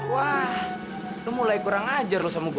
wah lo mulai kurang ajar lo sama gue